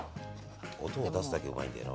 音を出すだけうまいんだよな